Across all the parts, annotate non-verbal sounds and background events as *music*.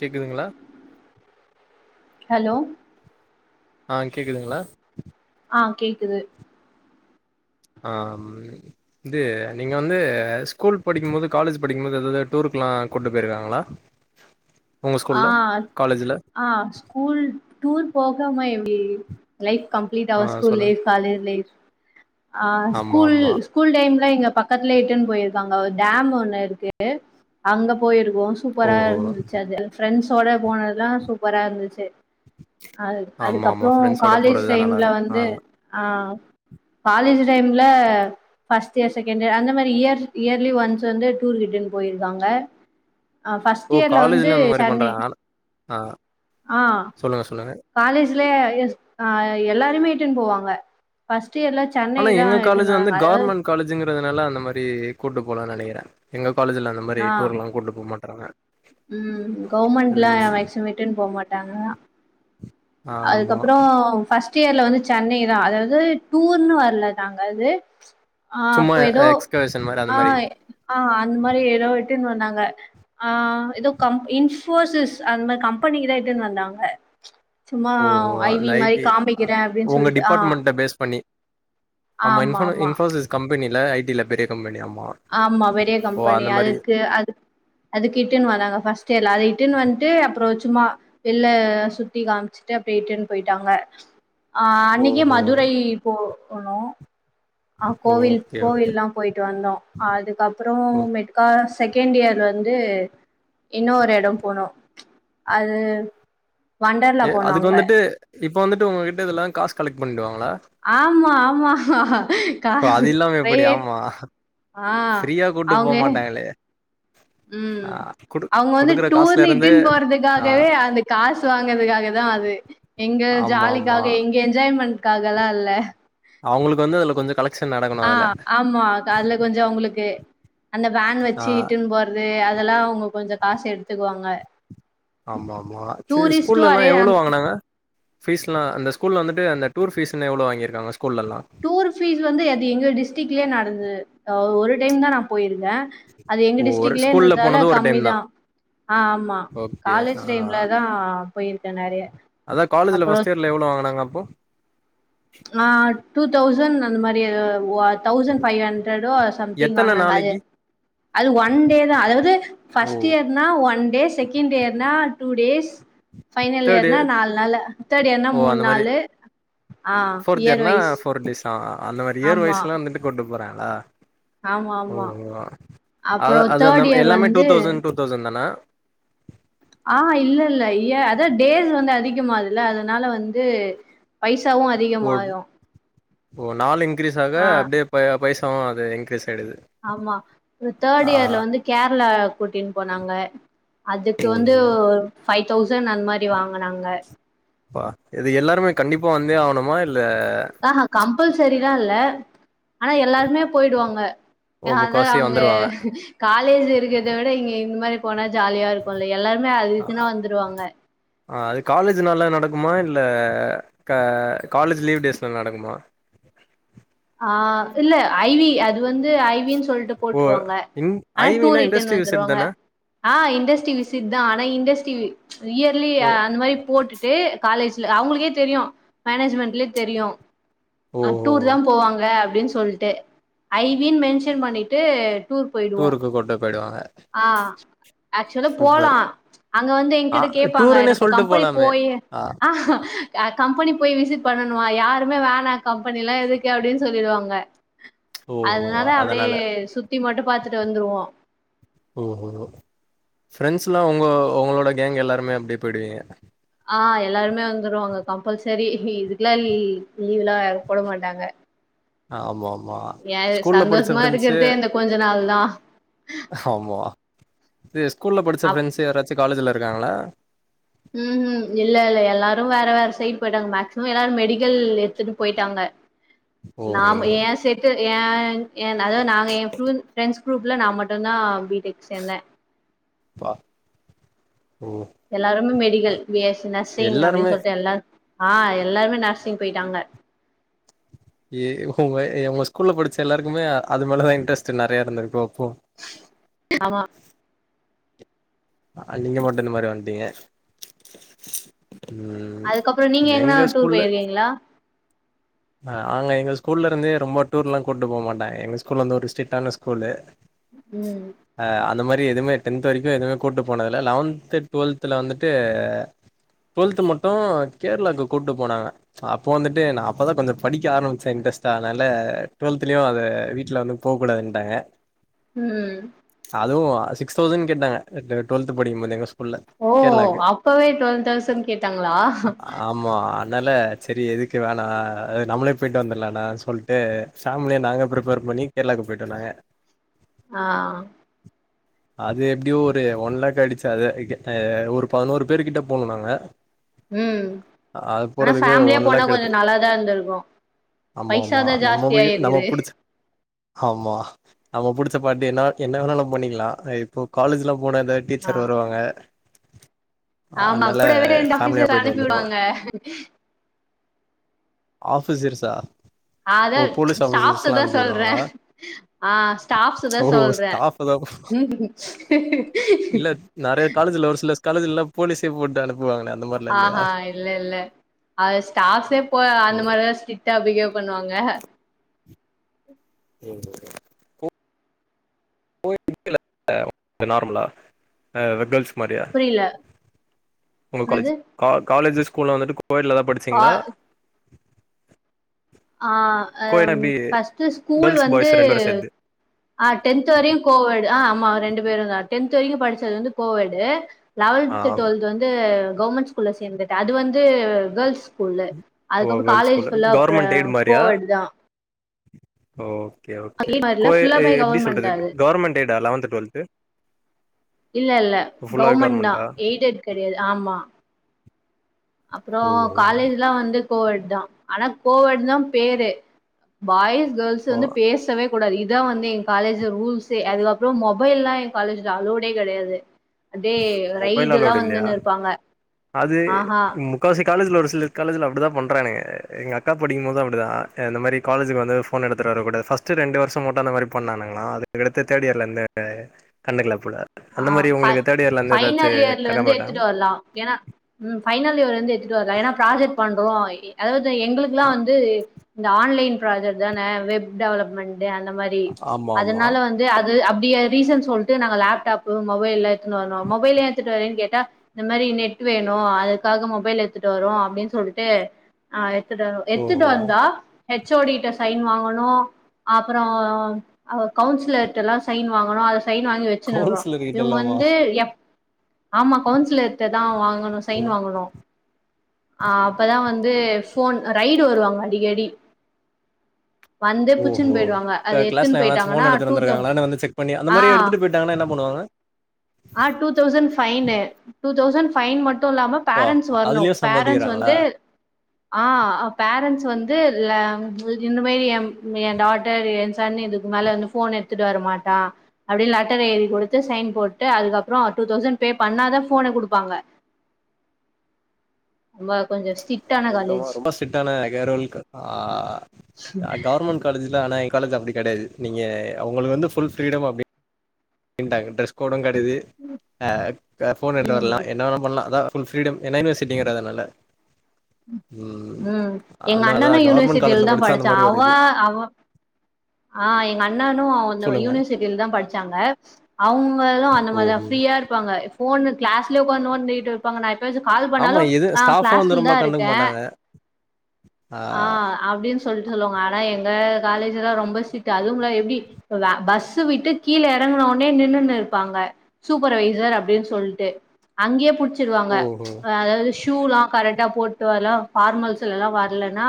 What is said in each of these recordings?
கேக்குதுங்ளா ஹலோ ஆ கேக்குதுங்ளா ஆ கேக்குது ஆ இது நீங்க வந்து ஸ்கூல் படிக்கும் போது காலேஜ் படிக்கும் போது எதாவது டூருக்ல்லா கூட்டு போயிருக்காங்களா உங்க ஆ ஸ்கூல்ல காலேஜ்ல ஆ ஸ்கூல் டூர் போகாம எப்டி லைஃப் கம்ப்லீ்ட் ஆ அவர் ஸ்கூல் சொல்லுங்க ஃலைப் காலேஜ் லைஃப் அ ஆமா ஸ்கூல் ஆமா ஸ்கூல் டைம்ல க இங்க பக்கத்திலே இட்டுன்னு போயிருக்காங்க டேம் ஒண்ணு இருக்கு அங்க போயிருக் ஓ சூப்பரா ஓஹோ இருதுச்சி அது ஃபிரெண்சோடா போனதுல்லா சூப்பரா இருந்துச்சி அ ஆமா ஆமா அதுக்கப்புறோ ஃப்ரெண்ட்ஸோட காலேஜ் போறதுதா நல்லா டைம்ல இருக்கும். ஆ வந்து ஆ காலேஜ் டைம்ல ஃபர்ஸ்ட் இயர் செகண்டு இயர் அந்த மாரி இயர் இயர்லி ஒன்ஸ் வந்து டூர் கிட்டன்னு போயிருக்காங்க ஆ பஸ்ட் இயர்ல வந்து ப்ப நானு ஆ ஆ சொல்லுங்க சொல்லுங்க காலேஜ் ஜிலே எஸ் அ எல்லாரியுமே இட்டுன்னு போவாங்க பஸ் ஆனா எங்க காலேஜ் வந்து கவர்மெண்ட் காலேஜ்ங்க க்குருதுனால அந்த மாரி கூட்டு போலனு நெனைக்குறே எங்க காலேஜில அந்த மாரி ஆ டூர்லா கூட்டிட்டு போமாட் தறங்க ம் கவுமெண்ட்லா மேக்சிமம் இட்டுன்னு போமாட் டாங்க ஆமா அதுக்கப்புறோ ஃபஸ் ட் இயர்ல வந்து சென்னைதா அதாவது டூர்ன்னு வரல நாங்க அது ஆ சும்மா அப்ப எதோ எக்ஸ்கர்ஷன் மாரி அந்த ஆ மாரி ஆ அந் மாரி எதோ ட்டின் வந்தாங்க ஆ எதோ கம் இன்போசிஸ் அந்த மாரி கம்பெனிதா இட்டுன் வந்தாங்க சும்மா ஓ ஓஹோ ஐ வி அந்த மாரி ஐட்டி காமிக்கிறே அப்டின்னு உங்க சொல்லிட்டு ஆ டிபார்ட்மெண்ட பேஸ் பண்ணி ஆமா இன்ஃபோனு இன்ஃபோசிஸ் கம்பெனி ல்ல ஐட்டில பெரிய கம்பெனி ஆமா. ஆமா பெரிய ஓ கம்பெனி அந்த மாரி அதுக்கு அ அதுக்கிட்டுன்னு வந்தாங்க ஃபஸ்ட் எல்லரியு ட்டன் வந்துட்டு அப்புறோ சும்மா வெள்ல சுத்தி காமிச்சிட்டு அப்பிடியே இட்டுனு போயிட்டாங்க ஆ அன்னிக்கு ஓஹோ! மதுரை போ போனு ஆ கோவில் ஓகே, ஓகே, கோவில்லா போயிட்டு வந்தோ அதுக்கப்புறோ மெட்கா ஆ செகண்ட் இயர்ல வந்து இன்னொரு எடோ போனோ அது வண்டர்லா ஏ போனோ அதுக்கு அங்க வந்துட்டு இப்ப வந்துட்டு உங்ககிட் ட இதல்லா காசு கலக்ட் பண்ணிடுவாங் ஆமா ஆமா கா ஓ அது இல்லாம எப்படி பிரைவேட் ஆமா ஆ ஃப்ரீயா கூட்டு அவங்க போமாட்டாங்களே. ஆ ம் குடு அவங்க வந்து குடுக்குற டூர்னு காசுலருந்து இட்டுன் ஆ போறதுக்காகவே அந்த காசு வாங்கறதுக்காகதா அது எங்க ஆமாமா. ஜாலிக்காக எங்க என்ஜாய்மென் ட்காகல்லா இல்ல அவங்களுக்கு வந்து அதுல கொஞ்ச கல ஆ ஆமா அதுல கொஞ்ச அவுங்களுக்கு அந்த வேன் ஆ வச்சு இட்டுன்னு போறது அ துல அவுங்க கொஞ்ச காசு எடுத்துக்குவாங்க ஆமா ஆமா சேரி டூரிஸ்ட்டு ஸ்கூல்ல எல்லா அரே எவ்ளோ அந் வாங்கனாங்க ஃபீஸ்லா அந்த ஸ்கூல்ல வந்துட்டு அந்த டூர் ஃபீஸுன்னு எவ்ளோ வாங்கிருக்காங்க ஸ் டூர் ஃபீஸ் வந்து அது எங்க டிஸ்ட்ரிக்லயே நடந்தது ஆ ஒரு டைம்தா நா போயிரு ந்தே அது எங்க ஓ ஒரு டிஸ்ட்ரிக்லயே ஸ்கூல்ல இருந்ததால போனது ஒரு டைம் கம்மிதா தான் ஆ ஆமா ஓகே ஆ காலேஜ் டைம்லதா போயிருக்கே நெறைய அதா காலேஜ்ல அப்புற ஃபர்ஸ்ட் இயர்ல எவ்ளோ வாங்குனாங்க அப்போ ஆ டூ தௌசண்ட் அந்த மாரி எதோ வா தௌசண்ட் ஃபைவ் ஹண்ட்ரடோ சம்திங் எத்தன வாங்குனாங்க அது நாளைக்கு அது ஒன் டேதா அதாவது ஓ ஃபஸ்ட் இயர்னா ஒன் டே செகண்ட் இயர்னா டூ டேஸ் ஃபைனல் தேர்ட் இயர்னா இயர் நாலு நாளு தேர்டு இயர்னா ஓ மூண் அந்த மாரி நாளு ஆ ஃபோர்த் இயர் இயர்னா வைஸ் ஃபோர் டேஸ் ஆ ஆ அந்த மாரி இயர் ஆமா வைஸ்லா வந்துட்டு கொண்டு போறாங்க ஆ ஆமா ஓ ஆமா ஆ அது அப்புறோ அது தேர்ட் நம் இயர் எல்லாமே டூ வந்து தௌசண்ட் டூ தௌசண்ட் தானா ஆ இல்ல இல்ல இய அதா டேஸ் வந்து அதிகமாது இல்ல அதனால வந்து பை போட்பி ஒரு நாள் இன்கிரீஸ் ஆக ஆ அப்டே பைய பை சாவு அதே இங்க்கிரீஸ் ஆமா தேட் இயர்ல வந்து கேரளா கூட்டின்னு போனாங்க அதுக்கு ஓ வந்து ஒ பைவ் தௌசண்ட் அந்த மாரி வாங்கனாங்க ப்ப இது எல்லாருமே கண்டிப்பா வந்தே ஆகணுமா இல் ல பள் சரிலா இல்ல ஆனா எல்லாருமே போயிடுவாங்க ஓ அதா முக்காவாசி அவுங்க வந்துருவாங்க காலேஜி இருக்கிறத விட இங்க இந்த மாரி போனா ஜாலியா இருக்கும்ல்ல எல்லாருமே ஆ அதுக்குனா வந்துருவாங்க ஆ அது காலேஜி நாள்ல நடக்குமா இல்ல கா காலேஜி லீவ் டேஸ்ல நடக்குமா ஆ இல்ல ஐவி அது வந்து ஐவின் சொல்ட்டு ஓ போட்டுருவாங்க இன் ஆனா ஐ மீனா டூர் இட்டுன் இண்டஸ்ட்ரி விசிட் வந்துருவாங்க தான ஆ இண்டஸ்ட்ரி விசிட் தா ஆனா இண்டஸ்ட்ரி இயர்லி ஓ அந்த மாரி போட்டுட்டு காலேஜி ல அவுங்களுக்கே தெரியும் மேனேஜ்மெண்ட்லே தெரியும் ஆ ஓஹோ டூர் தான் போவாங்க அப்டின் சொல்ட்டு ஐவின் மென்ஷன் பண்ணிட்டு டூர் போயிடுவோம் டூருக்கு கூட்டு போயிடுவாங்க ஆ ஆக்சுவலா போலா சூப்பர் அங்க வந்து ஆ எங்கிட்ட கேப்பாங்க டூருன்னே நம்ப சொல்ட்டு கம்பெனி போலாமே போயி ஆ ஆஹ கம்பெனி போயி விசிட் பண்ணனுவா யாருமே வேணா கம்பெனி எல்லா எதுக்கு அப்டின் சொல்லிருவாங்க அதனால அப்டே சுத்தி மட்டும் பாத்துட்டு வந்துருவோம் ஓஹோ ஃப்ரெண்ட்ஸ்லாம் உங்க உங்களோட கேங்க் எல்லாருமே அப்டே போயிடுவீங்க ஆ எல்லாருமே வந்துருவாங்க கம்பல்செரி இதுக்கெல்லாம் லீ லீவ்லா போட மாட்டாங்க ஆமா ஆ ஏன் சந்தோஷமா இருக்கிறதே அந்த கொஞ்ச நாள் தா ஆமா இது ஸ்கூல்ல படிச்ச அப் பிரண்ட்ஸே யாரச்சிம் காலேஜில இருக்காங்களா ம்ஹூ இல்ல இல்ல எல்லாரும் வேற வேற சைடு போயிட்டாங்க மேக்சிமம் எல்லாரும் மெடிக்கல் எடுத்துட்டு போயிட்டாங்க ஓஹோ நாம ஏ செட்டு ஏ ஏ அதாது நாங்க எ ஃபிளு ஃப்ரெண்ட்ஸ் குரூப்ல நா மட்டுதா பீடெக் சேந்தே பா ஓ எல்லாருமே மெடிக்கல் பிஎஸ்சி நர்சிங் அப்பிடின் எல்லாருமே சொல்ட்டு எல்லாரு ஆ எல்லாருமே நர்சிங் போயிட்டாங்க ஏ உங்க உங்க ஸ்கூல்ல படிச்ச எல்லாருக்குமே அது மேலதா இன்ட்ரெஸ்ட் நெறையா இருந்திருக்கு அப்போ ஆமா அ நீங்க மட்டு இந்த மாரி வந்த்ட்டீங்க அதுக்கப்புறோ நீங்க எங்கனா டூர் போயிருக்கீங்களா ஆங்க எங்க ஸ்கூல்ல இருந்து ரொம்ப டூர் எல்லா கூட்டு போ மாட்டாங்க எங்க ஸ்கூல்ல இருந்து ஒரு ஸ்ட்ரிக்டான ஸ்கூல்லு ம் இந்த மாரி எதுமே டென்த் வரைக்கு எதுமே கூட்டு போனதில்லை லெவன்த்து டுவெல்த்துல வந்துட்டு டுவெல்து மட்டு கேரளாவுக்கு கூட்டு போனாங்க அப்போ வந்துட்டு நா ப்பதா கொஞ்ச படிக்க ஆரம்பிச்சே இன்ட்ரெஸ்ட்டா அனால டுவெல்திலியு அத வீட்ல வந்து போக கூடாதுன்ட்டாங்க ம் அதுவு சிக்ஸ் தௌசண்ட் கேட்டாங்க டுவெல்த் படிக்கு போது எங்க ஸ்கூல் ஓ அப்பவே டுவெல் தௌசண்ட் கேட்டாங்களா அனால சேரி எதுக்கு வே ஆ அது நம்மளே போயிட்டு வந்தரலாடா சொல்ட்டு ஃபேமிலியா நாங்க பிர்ப்பேர் பண்ணி கேரளாக்கு போயிட்டு வந்தாங்க ஆ அது எப்பிடியோ ஒரு ஒன் லேக் ஆயிடிச்சி அதே ஏ ஒரு பதினோரு பேருகிட்ட போனோ நாங்க ம் அது ஆனா போறதுக்கு ஃபேமிலியா ஒன் போனா லேக் கொஞ்ச எடுத்து நல்லா இருக் த்தா இருந்திருக்கு ஆமா ஆமா பைசாதா நம்ம ஜாஸ்தியாயிருக்கு ம்மா நம்ம புடிச்ச பாட்டு என்ன என்னா வேணாலு பண்ணிக்கலா இப்போ காலேஜ்லா போனத ஆ டீச்சர் வருவாங்க ஆமா அதனால கூடவே ரெண்டு ஃபேமிலியா ஆபீசர போயிட்டு அனுப்பி வந்துருவோ விடுவாங்க ஆஃபிஸர்ஸ்சா அதா ஸ்டாஃப்ஸ்தா சொல்றே விடுவாங்களா ஆ ஸ்டாஃப்ஸ்தா ஓ சொல்றே ஸ்டாஃப் தா காலேஜில போலீசே போட்டானுங் ஆஹ் ஆ இல்ல இல்ல அதுஸ் டாஸே போ ஓ அந்த மாரிதா ஸட்ரிக்டா பிஹேவ் பண்ணுவாங்க ஒ *unintelligible* நார்மலா கேள்ஸ் மாரியா புரியல உங்க காலேஜ் என்னது கா காலேஜஸ் கூலா வந்துட்டு கோயெட்ல தா கா படிச்சீங்ளா? ஆ அ கோயட்னா எப்டி ஃபஸ்ட்டு ஸ்கூல் கேர்ள்ஸ் வந்து பாய்ஸ் ரெண்டு பேரு சேத்து அ டென்த்து வரையு கோவெட் அ ஆமா ரெண்டு பேருந்தா டென்த்து வரைக்கு படிச்சது வந்து கோயெடு ஆ லெவல்த்து ட்வெல்த்து வந்து கவர்மெண்ட் ஸ்கூல்ல சேந்துட்ட அது வந்து கேர்ள்ஸ் ஸ்கூலு ஓ அதுக்கப்ற கேர்ள்ஸ் காலேஜ் ஸ்கூல்ல ஃபுல்லா கோயெட்டு தா ஓ *unintelligible* மார்ல ஃபுல்லாமே கவர்மென்தா அது கவர்மெண்ட் எய்டா லெவன்த் டுவெல்த்து இல்லெல்ல ஃபுல்லாவே கவமெண்ட் தா கவர்மெண்டா எய்டட் கெடையாது ஆமா அப்றோ ஓ காலேஜ்லா வந்து கோயெட் தா ஆனா கோவெட் தா‌ பேரு பாய்ஸ் கேள்ஸ் ஓ வந்து பேசவே கூடாது இதா வந்து எ காலேஜு ரூல்ஸே அதுக்கப்றொ மொபைல்லா எ காலேஜ்ல அலோடே கெடையாது அதே மொபைல் ரைடெல்லா அலோடு இல்லையா வந்துன்னு இருப்பாங்க அது ஆஹா முக்காவாசி காலேஜ்ல ஒரு சிலர் காலேஜில அப்டிதா பண்றானுங்க எங்க அக்கா படிக்கும்மோது அப்டிதா அ இந்த மாரி காலேஜுக்கு வந்து ஃபோன் எடுத்துட்டு வரக்கூடாது ஃபஸ்ட்டு ரெண்டு வருஷ மட்டு அந்த மாதிரி பண்ணானுங்களா அதுக்கடுத்து தேர்ட் இயர்லெந்து கண்டுக்ல ஆ ஃப ஃபைனல் இயர்ல கண்டுக்க வந்து மாட்டாங்க எத்துட்டு வர்லா ஏனா ம் ஃபைனல் இயர்லெந்து எத் திட்டு வர்லா எனா ப்ராஜெக்ட் பண்றோ எ அதாவு து எங்களுக்லா அ வந்து இந்த ஆன்லைன் ப்ராஜெக்ட் தானே வெப் டெவலப்மெண்ட் டு அந்த மாரி ஆமா ஆமா அதுனால வந்து அ து அப்டிய ரீசன் சொல்ட்டு நாங்க லேப்டாப் பு‌ மொபைல்ல எ த்துனு வர்னு மொபைல் ஏ எத்துட்டு வரேன் கேட் டா இந்த மாரி நெட் வேணு அதுக்காக மொபைல் எத்துட்டு வரோ அப்டின் சொல்ட்டு ஆ எ த்துட்டு வருவோ எத்துட்டு ஓஹோ வந்தா ஹெச் ஓ டி ட்ட சைன் வாங்கனு அப்பறோ கவுன்சிலர்ட்டல்லா சைன் வாங்கனு அத சைன் வாங்கி வச்சுனுக்குறோ கவுன்சிலர் இவுங்க கிட்டலாமா வந்து எப் ஆமா கவுன்சில்ர்ட தா வாங்க வாங்க ஓ சைன் வாங்கனு ஆ அப்பதா வந்து ஃபோன் ரைடு வருவாங்க அடிக்கடி வந்து புச்சுன்னு ஓகோ போயிடுவாங்க அது த எத்துன்னு கிளாஸ்ல எவானாச்சு ஃபோன் போயிட்டாங்கன்னா எடுத்துட்டு டூ தௌ வந்துருக்காங்ள வந்து செக் பண்ணி அந்த ஆ மாரி எடுத்துட்டு போயிட்டாங்கனா என்னா பண்ணுவாங்க ஆ two thousand fine two thousand fine மட்டு அது மட்டு இல்லாம பா பேரண்ட்ஸ் வரனு அதுலயு பேரண்ட்ஸ் சம்பாதிக்கிறாங்களா வந்து ஆ பேரண்டட்ஸ் வந்து இது இந்த மாரி எ எ டாட்டர் எ சன்னு இதுக்கு மேல ஃபோன் எடுத்துட்டு வர மாட்டா அப்டின்னு லெட்டர் எழுதி குடுத்து சயின் போட்டு ட்டு அதுக்கு அப்றோ டூ தௌசண்ட் பே பண்ணாதா ஃபோனே குடுப்பாங்க ரொம்ப கொஞ்ச என்னமா ரொம்ப ஸ்டிட்டான கரோல் ஆ கவர்மெண்ட் காலேஜ் இல்ல ஆனா எங்க காலேஜ் அப்டி கெடயாது நீங்க அவுங்களுக்கு வந்து ஃபுல் பிரீடம் அப்டி ன்ட்டாங்க ட்ரெஸ் கோடு கட் இது ஆ ஃபோன் எடுத்து ம் வரலா என்ன வேண பண்லா அதா புல் ஃப்ரீடம் ஏன்ன யூவர்சிட்டிங்கிறதுனால உம் எங்க அதா அண்ணனு கவர்மெண்ட் யூனிவர்சிட்டியில காலேஜ்ல தா படிச்சா படிச்ச அந்த மாரி அவ ஒரு இது அவ ஆ அண்ணுனு சொல்லுங்க யூனிவர்சிட்டில தா படுச்சாங்க அவுங்களு அந்த மாதிரி தா ஓஹோ ஃபிரியா இருப்பாங்க ஃபோனு கிளாஸ்லே ஒக்காந்து நோன்டிட்டு இருப்பாங்க நா கால் பண்ணாலு ஆ கிளாஸ்ல இரு தா இருக்கு அதா ஆ அப்டின் சொல்லி சொல்லுவாங்க ஆனா எங்க காலேஜ்ல்லா எல்லா ரொம்ப ஸ்டிட்டு அதும்பில்லாம எப்டி பஸ் விட்டு கீழ எறங்கனவுனே நின்னுனு இருப்பாங்க சூப்பர்வைசர் அப்டினு சொல்ட்டு அங்கேயே புச்ச வச்சுருவாங்க ஓஹோ அதாவது ஷூலா கரெக்ட் போட்டு வரலா ஃபார்மல்ஸ் எல்லா வ இல்லனா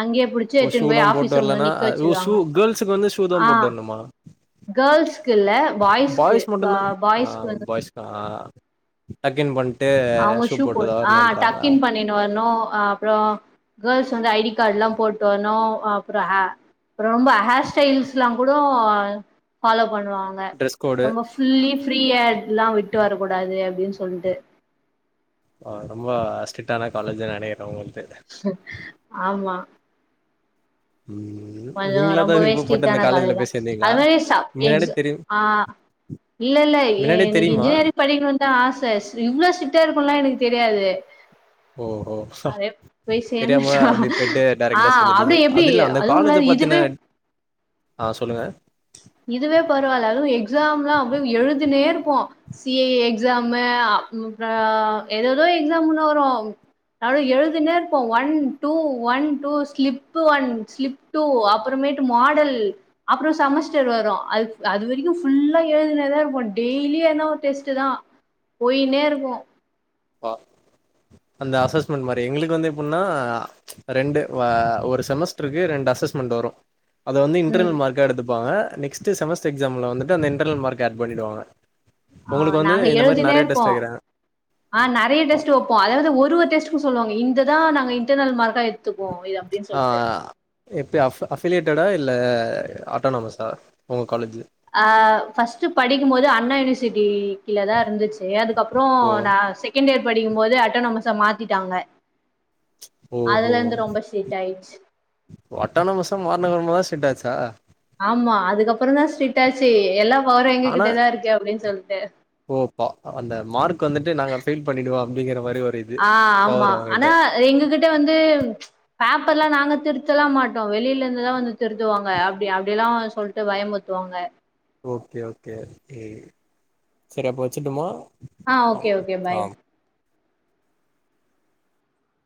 அங்கேயே புடிச்சு ஓ எட்டுன்னு ஷூலா போய் போட்டு ஆபீஸ் ரூம்ல வரலன்னா நிக்க ஓ ஷூ வச்சிருவாங்க கேர்ள்ஸுக்கு வந்து ஷூ தா ஆ போட்டு வரணுமா கேள்ஸ்க்கு இல்ல பாய்ஸ்க்கு பாய்ஸ் மட்டுந்தா ஆ பாய்ஸ்க்கு வ பாய்ஸ்கா டக்கின் பண் அவுங்க ஷூ போட் ஆ டக் இன் பண்ணி வரணு அப்புறம் கேர்ள்ஸ் வந்து ஐடி கார்ட்லாம் போட்டு வரணும் அப்புறம் ஆ ரொம்ப ஹேர் ஸ்டைல்ஸ்லா கூடோ பாலோ பண்ணுவாங்க ட்ரெஸ் கோடு ரொம்ப ஃபுல்லி ஃப்ரீ ஹேர்லா விட்டு வரக்கூடாது அப்டின் சொல்ட்டு ஆ ரொம்ப ஸ்டிட்டான காலேஜி நெனக்கிறேன் உங்கள் ஆமா ம் கொஞ்சம் நீங்களா தா ரொம்பவே விருப்பப்பட்டு அந்த ஸ்டிட்டான காலேஜ்ல காலேஜி தா போய் சேந்தீங்களா அது மாரி ஸ முன்னாடியே எக்ஸா தெரியு ஆ இல்ல இல்ல முன்னாடியே எனக்கு தெரியுமா இன்ஜினியரிங் படிக்கணும்னு தா ஆச இவ்ளோ ஸ்டிட்டா இருக்குல்லா எனக்கு தெரியாது ஓ ஓஹா அதே போய் தெரியாம சேந்துட்டோ அப்டி போய்ட்டு ஆ டேரக்ட்டா சேந்துட்டிங்க அப்டி எப்டி அது இல்ல அந்த காலேஜ அதுவுமில்லாது இதுவே பாத்தின ஆ சொல்லுங்க இதுவே பரவால்ல அதுவும் எக்ஸாம்லா அப்டே எழுதினே இருப்போம் சிஏ எக்ஸாமு அப்ற எததோ எக்ஸாமுலா வரும் அத எழுதினே இருப்போம் one two one two slip one slip two அப்பறமேட்டு மாடல் அப்புறம் செமஸ்டர் வரும் அது அதுவரைக்கும் ஃபுல்லா எழுதினே தா இருப்போம் டெய்லி எதன ஒரு டெஸ்ட்டு தா போயினே இருக்கும் ஆ அந்த அசஸ்மெண்ட் மாதரி எங்களுக்கு வந்து எப்டின்னா ரெண்டு ஆ ஒரு செமஸ்டருக்கு ரெண்டு அசஸ்மெண்ட்டு வரும் அத வந்து ம் இன்டர்னல் மார்க்கா எடுத்துப் பாங்க நெக்ஸ்ட்டு செமஸ்டர் எக்ஸாம்ல வந்துட்டு அந்த இன்டர்னல் மார்க் ஆட் பண்ணிடுவாங்க ஆ உங்களுக்கு வந்து நாங்க இந்த மாரி எழுதினே நெறைய டெஸ்ட் இருப்போம் வைக்கிறாங்க உ நறையா டெஸ்ட்டு வைப்போம் அதாவது ஒரு ஒரு டெஸ்ட் டு சொல்லுவாங்க இந்த தா நாங்க இன்டர்னல் மார்க்கா எடு ஆ எப்பி ஆஃப அபிலியேட்டடா இல்ல ஆட்டோனமஸா உங்க காலேஜி ஆ பர்ஸ்ட்டு படிக்கும்போது அண்ணா யூனிவர்சிட்டி கீல தா இருந்துச்சி செரி அதுக்கப்புறம் ஓ நான் செகண்ட் இயர் படிக்கும்போது அட்டனமஸ மாத்திட்டாங்க ஓஹோ அதுல இருந்து ரொம்ப ஸ்ட்ரிக்ட் ஆயிடுச்சு அட்டானமஸ மார்ன அப்பறமாதா ஸ்டிட் ஆச்சா ஆமா அதுக்கப்புறம் தா ஸிட்டாச்சி எல்லா பவரே ஆனா எங்ககிட்டதா இருக்கு அப்டின் சொல் ட்டு ஓ பா அந்த மார்க்கு வந்துட்டு நாங்க பெயில் பண்ணிடுவோம் அப்டிங்கிற மாரி ஒரு இது ஆ ஆமா பவர் அவங்ககிட்ட ஆனா எங்ககிட்ட வந்து பேப்பர்லா நாங்க திருத்தலா மாட்டோம் வெளில இருந்துதா வந்து திருத்துவாங்க அப்டி அப் அப்டிலா சொல்ட்டு பயமுறுத்துவாங்க ஓகே ஓகே ஓகே செரி அப்போ வச்சுட்டுமா ஆ ஆம் ஓகே ஓகே பாய் ஆம்